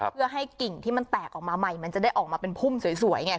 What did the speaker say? เพื่อให้กิ่งที่มันแตกออกมาใหม่มันจะได้ออกมาเป็นพุ่มสวยไง